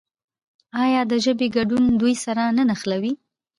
آیا د ژبې ګډون دوی سره نه نښلوي؟